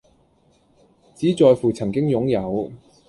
只在乎曾經擁有